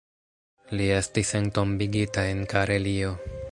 Li estis entombigita en Karelio.